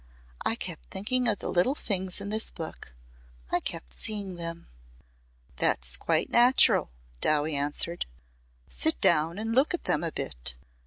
"I kept thinking of the little things in this book. I kept seeing them." "That's quite natural," Dowie answered. "Sit down and look at them a bit.